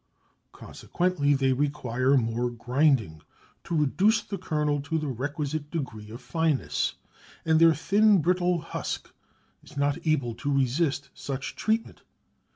Consequently they require more grinding to reduce the kernel to the requisite degree of fineness, and their thin brittle husk is not able to resist such treatment.